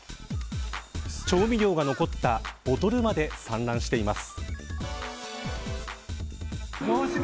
調味料が残ったボトルまで散乱しています。